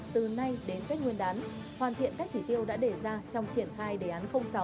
từ nay đến tết nguyên đán hoàn thiện các chỉ tiêu đã đề ra trong triển khai đề án sáu